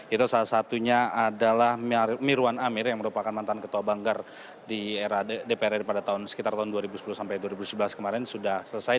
itu salah satunya adalah mirwan amir yang merupakan mantan ketua banggar di era dpr ri pada sekitar tahun dua ribu sepuluh sampai dua ribu sebelas kemarin sudah selesai